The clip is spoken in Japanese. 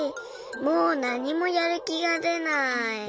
もうなにもやるきがでない。